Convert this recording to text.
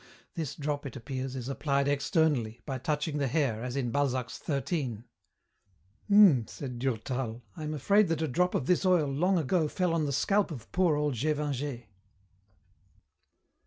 This drop, it appears, is applied externally, by touching the hair, as in Balzac's Thirteen." "Hmmm," said Durtal, "I am afraid that a drop of this oil long ago fell on the scalp of poor old Gévingey."